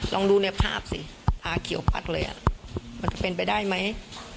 ลองดูในภาพสิตาเขียวพัดเลยมันจะเป็นไปได้ไหม